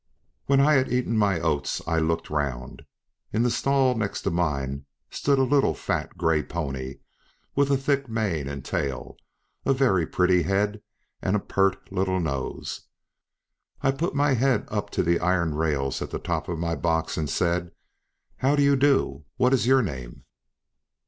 When I had eaten my oats, I looked round. In the stall next to mine stood a little fat gray pony, with a thick mane and tail, a very pretty head, and a pert little nose. I put my head up to the iron rails at the top of my box, and said, "How do you do? What is your name?"